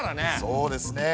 そうですね。